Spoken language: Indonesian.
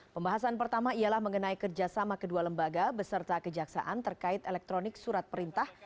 pembahasan pertama ialah mengenai kerjasama kedua lembaga beserta kejaksaan terkait elektronik surat perintah